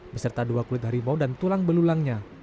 beserta dua kulit harimau dan tulang belulangnya